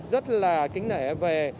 rất là kính nể về